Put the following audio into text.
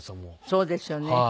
そうですよね。